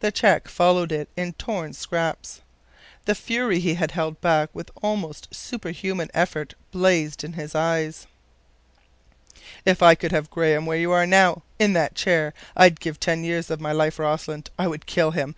The check followed it in torn scraps. The fury he had held back with almost superhuman effort blazed in his eyes. "If I could have Graham where you are now—in that chair—I'd give ten years of my life, Rossland. I would kill him.